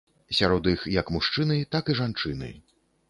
Сярод іх як мужчыны, так і жанчыны.